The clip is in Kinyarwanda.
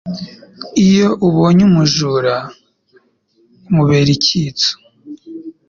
Iyo ubonye umujura umubera icyitso